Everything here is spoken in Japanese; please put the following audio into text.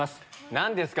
何ですか？